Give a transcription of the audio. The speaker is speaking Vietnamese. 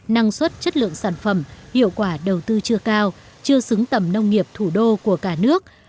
dựng sản phẩm hiệu quả đầu tư chưa cao chưa xứng tầm nông nghiệp thủ đô của cả nước